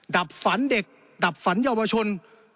ดับฝันเด็กดับฝันเยาวชน